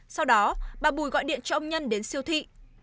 sau đó bà bùi gọi điện cho ông nhân đến siêu thị